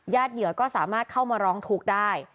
เหยื่อก็สามารถเข้ามาร้องทุกข์ได้